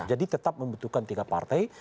jadi tetap membutuhkan tiga partai